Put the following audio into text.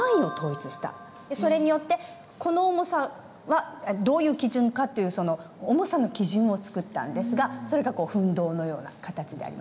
それによってこの重さはどういう基準かっていう重さの基準を作ったんですがそれが分銅のような形であります。